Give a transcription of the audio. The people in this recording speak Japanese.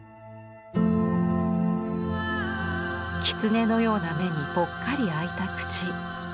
きつねのような目にぽっかり開いた口。